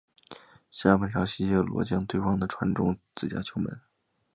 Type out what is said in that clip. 下半场西切罗将对方的传中挡进自家球门。